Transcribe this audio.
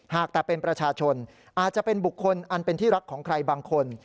หากแต่เป็นประชาชนอาจจะเป็นบุคคลอันเป็นที่รักของใครบางคน